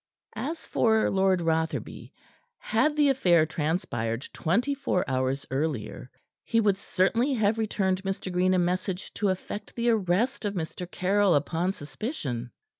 As for Lord Rotherby, had the affair transpired twenty four hours earlier, he would certainly have returned Mr. Green a message to effect the arrest of Mr. Caryll upon suspicion.